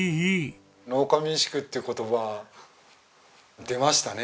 農家民宿っていう言葉出ましたね